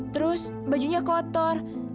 terus bajunya kotor